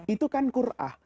itu kan qur'ah